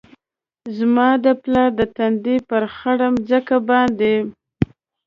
زما د پلار د تندي ، پر خړه مځکه باندي